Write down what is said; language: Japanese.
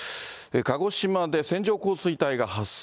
鹿児島で線状降水帯が発生。